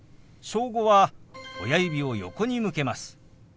「小５」は親指を横に向けます。